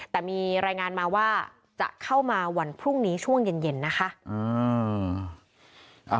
แต่มีรายงานมาว่าจะเข้ามาวันพรุ่งนี้ช่วงเย็นนะคะ